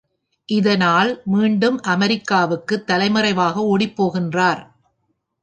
இதனால் மீண்டும் அமெரிக்காவுக்கு தலைமறைவாக ஓடிப்போகின்றார்.